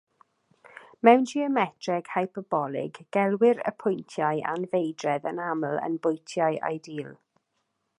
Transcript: Mewn geometreg hyperbolig, gelwir y pwyntiau anfeidredd yn aml yn bwyntiau ideal.